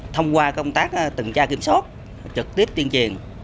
thông qua công tác tuần tra kiểm soát trực tiếp tiên triển